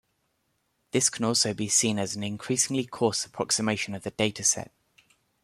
This can also be seen as an increasingly coarse approximation of the data set.